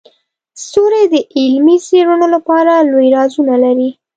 ستوري د علمي څیړنو لپاره لوی رازونه لري.